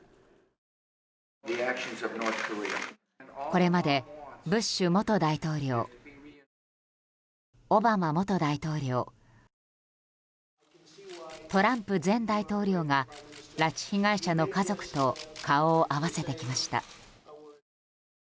これまで、ブッシュ元大統領オバマ元大統領トランプ前大統領が拉致被害者の家族と顔を合わせてきました。